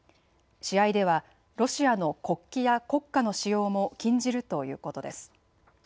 試合ではロシアの国旗や国歌の使用も禁じるということです。